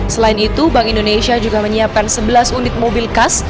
selain itu bank indonesia juga menyiapkan sebelas unit mobil khas